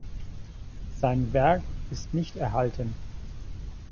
Sein Werk ist nicht erhalten.